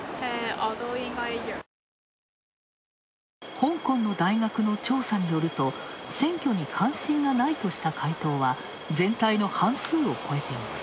香港の大学の調査によると選挙に関心がないとした回答は全体の半数を超えています。